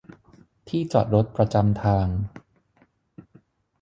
ที่จอดรถประจำทาง